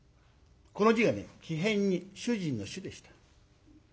この字がね木偏に主人の「主」でした。